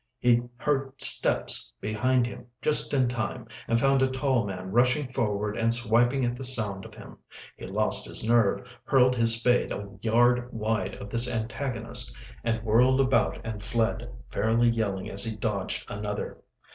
He heard steps behind him just in time, and found a tall man rushing forward and swiping at the sound of him. He lost his nerve, hurled his spade a yard wide of this antagonist, and whirled about and fled, fairly yelling as he dodged another.